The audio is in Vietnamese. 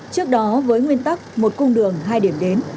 trước đó với nguyên tắc một cung đường hai điểm đến